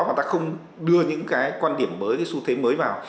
mà ta không đưa những quan điểm mới su thế mới vào